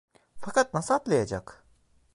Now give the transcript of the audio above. Fakat nasıl atlayacak?